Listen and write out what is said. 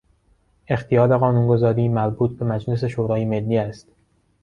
اختیار قانونگذاری مربوط به مجلس شورای ملی است.